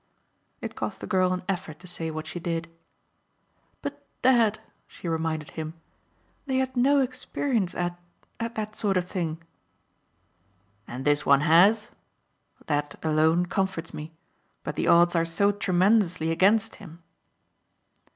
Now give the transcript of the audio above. It cost the girl an effort to say what she did. "But, dad," she reminded him, "they had no experience at, at that sort of thing." "And this one has? That, alone, comforts me. But the odds are so tremendously against him."